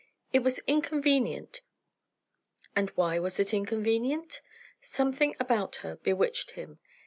It was inconvenient; and why was it inconvenient? Something about her bewitched him.